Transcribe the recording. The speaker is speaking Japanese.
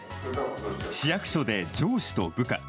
市役所で上司と部下。